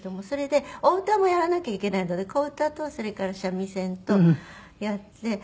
それでお唄もやらなきゃいけないので小唄とそれから三味線とやって。